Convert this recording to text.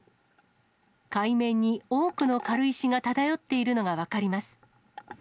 海面に多くの軽石が漂っているのが分かります。